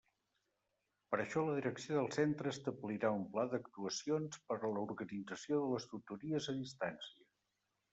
Per a això, la direcció del centre establirà un pla d'actuacions per a l'organització de les tutories a distància.